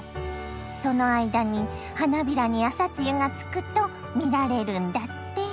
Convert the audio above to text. その間に花びらに朝露がつくと見られるんだって。